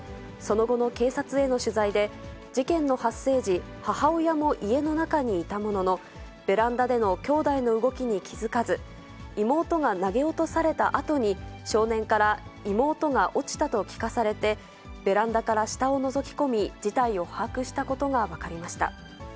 その後の警察への取材で、事件の発生時、母親も家の中にいたものの、ベランダでの兄妹の動きに気付かず、妹が投げ落とされたあとに、少年から、妹が落ちたと聞かされて、ベランダから下をのぞき込み、事態を把握したことが分かりました。